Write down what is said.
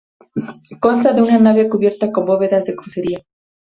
Consta de una nave cubierta con bóvedas de crucería.